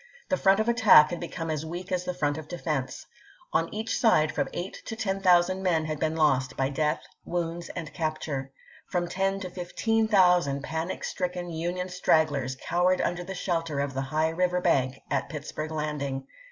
The front of attack had become as weak as the front of defense. On each side from eight to ten thousand men had^ been lost, by death, wounds, and capture. From ten to fifteen thousand panic stricken Union strag THE SHILOH CAMPAIGN 331 glers cowered under the shelter of the high river ch. xviii. bank at Pittsburg Landing.